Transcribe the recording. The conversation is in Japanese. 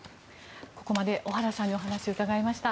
ここまで小原さんにお話を伺いました。